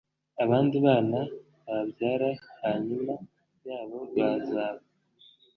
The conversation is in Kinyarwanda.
Abandi bana wabyara hanyuma yabo bazaba